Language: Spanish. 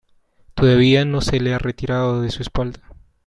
Todavía no se le ha retirado de su espalda.